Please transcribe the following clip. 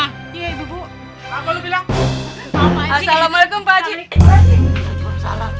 hai ibu ibu kamu bilang assalamualaikum pak